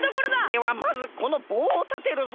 ではまずこのぼうをたてるぞ。